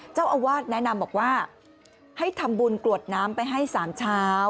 เจ้าอาวาสแนะนำบอกว่าให้ทำบุญกรวดน้ำไปให้๓เช้า